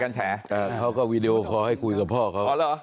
เขาก็วีดีโอขอให้คุยกับพ่อเขา